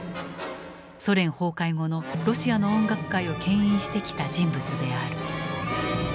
ソ連崩壊後のロシアの音楽界を牽引してきた人物である。